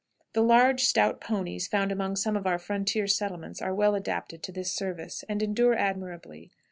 The large, stout ponies found among some of our frontier settlements are well adapted to this service, and endure admirably.